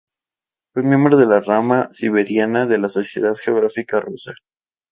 Fue miembro de la Rama Siberiana de la Sociedad Geográfica Rusa.